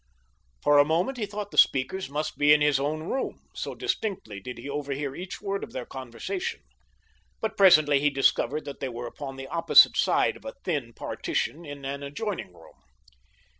For a moment he thought the speakers must be in his own room, so distinctly did he overhear each word of their conversation; but presently he discovered that they were upon the opposite side of a thin partition in an adjoining room.